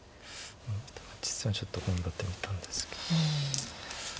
実戦はちょっと頑張ってみたんですけど。